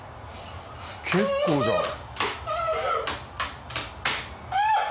結構じゃん。